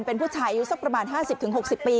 เป็นผู้ชายยูนสองประมาณ๙๐๖๐ปี